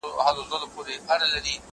هر فرمان به دي راغلی له اسمان وي ,